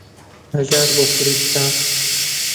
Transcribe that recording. هەژار بۆ کوردستان